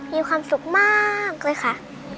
มีความสุขมากเลยค่ะ